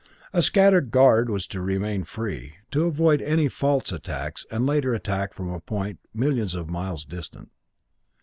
A scattered guard was to remain free, to avoid any false attacks and a later attack from a point millions of miles distant.